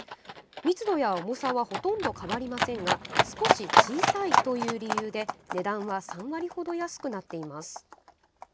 密度や重さはほとんど変わりませんが少し小さいという理由で値段は３割ほど安くなっています。